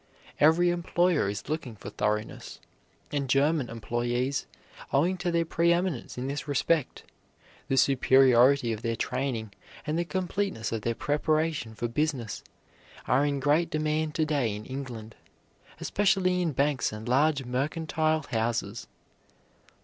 Every employer is looking for thoroughness, and German employees, owing to their preeminence in this respect, the superiority of their training, and the completeness of their preparation for business, are in great demand to day in England, especially in banks and large mercantile houses.